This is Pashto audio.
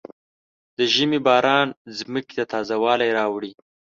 د ژمي باران ځمکې ته تازه والی راوړي.